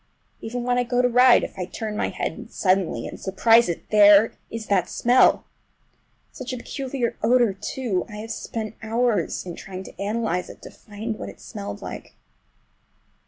Even when I go to ride, if I turn my head suddenly and surprise it—there is that smell! Such a peculiar odor, too! I have spent hours in trying to analyze it, to find what it smelled like.